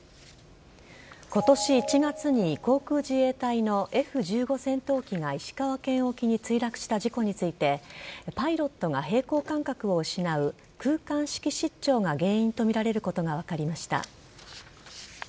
今年１月に航空自衛隊のＦ１５戦闘機が石川県沖に墜落した事故についてパイロットが平衡感覚を失う空間識失調が原因とみられることが分かりました。